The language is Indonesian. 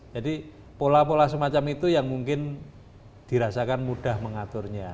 jadi pola pola semacam itu yang mungkin dirasakan mudah mengaturnya